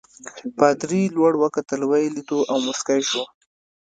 پادري لوړ وکتل ویې لیدو او مسکی شو.